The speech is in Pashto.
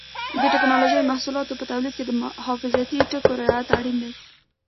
د ټېکنالوجۍ محصولاتو په تولید کې د حفاظتي ټکو رعایت اړین دی.